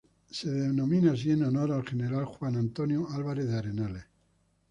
Se denomina así en honor al General Juan Antonio Álvarez de Arenales.